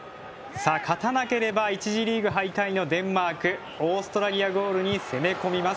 さあ、勝たなければ１次リーグ敗退のデンマークオーストラリアゴールに攻め込みます。